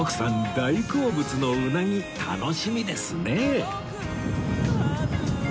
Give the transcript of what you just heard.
大好物のうなぎ楽しみですねえ